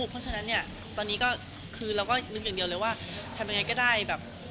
เพราะฉะนั้นเนี่ยตอนนี้ก็คือเราก็นึกอย่างเดียวเลยว่าทำยังไงก็ได้แบบ